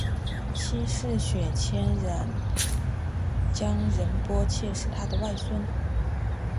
七世雪谦冉江仁波切是他的外孙。